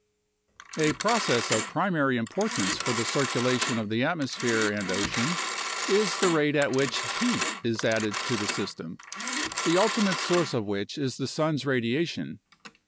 A process of primary importance for the circulation of the atmosphere and ocean is the rate at which heat is added to the system, the ultimate source of which is the sun's radiation.